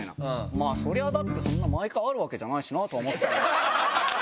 まあそりゃだってそんな毎回あるわけじゃないしなとは思っちゃう。